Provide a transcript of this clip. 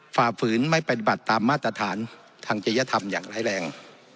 ฝ่าฝืนไม่ปฏิบัติตามมาตรฐานทางจริยธรรมอย่างร้ายแรง